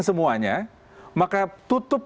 semuanya maka tutup